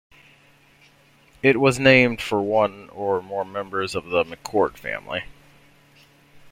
It was named for one or more members of the McCord family.